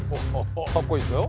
かっこいいですよ。